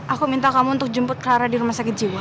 aku minta kamu untuk jemput karena di rumah sakit jiwa